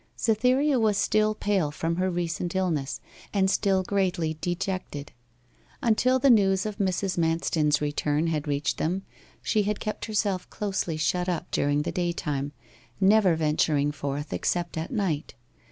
Cytherea was still pale from her recent illness, and still greatly dejected. Until the news of Mrs. Manston's return had reached them, she had kept herself closely shut up during the day time, never venturing forth except at night.